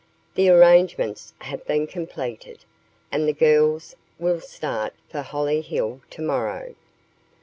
The arrangements have been completed, and the girls will start for Hollyhill tomorrow."